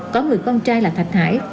có người con trai là thạch hải